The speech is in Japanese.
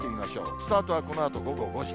スタートはこのあと午後５時。